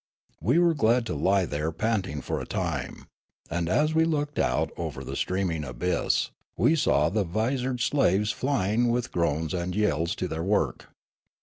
We were glad to lie there panting for a time ; and, as we looked out over the steaming abyss, we saw the visored slaves flying with groans and yells to their work.